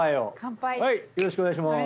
よろしくお願いします。